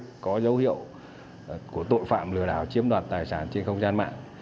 trong thời gian vừa qua tình hình tội phạm lừa đảo chiếm đoạt tài sản trên không gian mạng